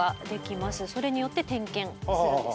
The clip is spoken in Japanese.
それによって点検するんですね。